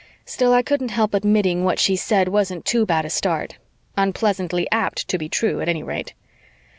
Still, I couldn't help admitting what she said wasn't too bad a start unpleasantly apt to be true, at any rate.